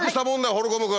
ホルコム君！